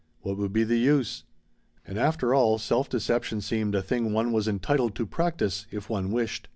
What would be the use? And, after all, self deception seemed a thing one was entitled to practice, if one wished.